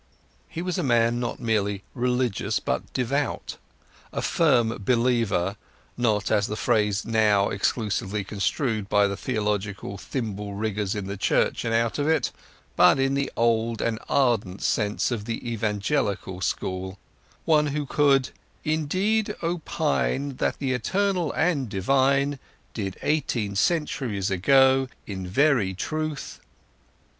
He was a man not merely religious, but devout; a firm believer—not as the phrase is now elusively construed by theological thimble riggers in the Church and out of it, but in the old and ardent sense of the Evangelical school: one who could Indeed opine That the Eternal and Divine Did, eighteen centuries ago In very truth...